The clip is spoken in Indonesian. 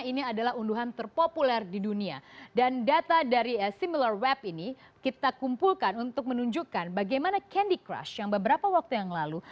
ini adalah unduhan terpopuler di dunia dan data dari similar web ini kita kumpulkan untuk menunjukkan bagaimana candy crush yang beberapa waktu yang lalu